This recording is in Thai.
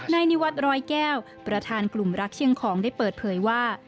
นิวัตรรอยแก้วประธานกลุ่มรักเชียงของได้เปิดเผยว่า